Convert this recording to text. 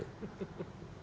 ini sama ini operasi gitu